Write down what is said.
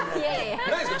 ないですか？